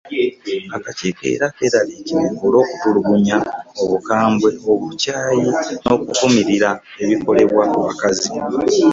Akakiiko era keeraliikirivu olw’okutulugunya, obukambwe, obukyayi n’okuvumirira ebikolebwa ku bakazi.